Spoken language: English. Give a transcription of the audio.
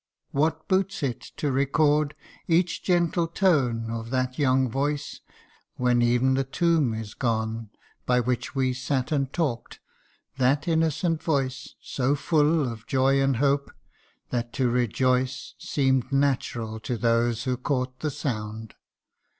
" What boots it to record each gentle tone Of that young voice, when ev'n the tomb is gone By which we sat and talk'd ? that innocent voice, So full of joy and hope, that to rejoice Seem'd natural to those who caught the sound